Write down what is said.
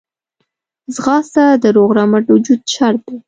ځغاسته د روغ رمټ وجود شرط دی